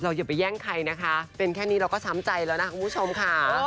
อย่าไปแย่งใครนะคะเป็นแค่นี้เราก็ช้ำใจแล้วนะคุณผู้ชมค่ะ